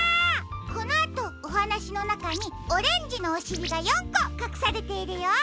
このあとおはなしのなかにオレンジのおしりが４こかくされているよ。